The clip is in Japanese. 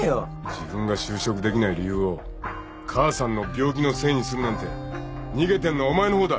自分が就職できない理由を母さんの病気のせいにするなんて逃げてんのはお前の方だ。